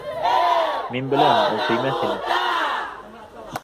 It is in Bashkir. Мин беләм, ул теймәҫ ине.